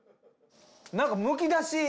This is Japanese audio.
何かむき出し。